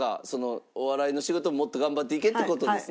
お笑いの仕事もっと頑張っていけって事ですね？